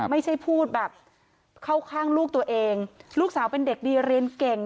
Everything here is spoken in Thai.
ไม่ใช่พูดแบบเข้าข้างลูกตัวเองลูกสาวเป็นเด็กดีเรียนเก่ง